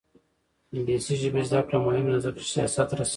د انګلیسي ژبې زده کړه مهمه ده ځکه چې سیاست رسوي.